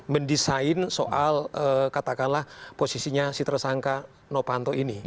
mendesain soal katakanlah posisinya si tersangka novanto ini